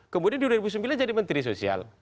kemudian di dua ribu sembilan jadi menteri sosial